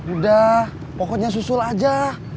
udah pokoknya susul aja